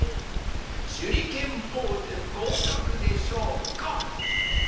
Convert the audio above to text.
しゅりけんポーズごうかくでしょうか？